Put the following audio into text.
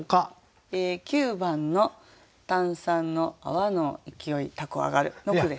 ９番の「炭酸の泡のいきほひ凧あがる」の句です。